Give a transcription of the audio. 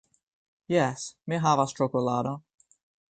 Jes, mi havas ĉokoladon